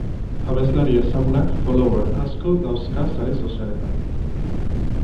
Abeslari ezagunak follower asko dauzka sare sozialetan.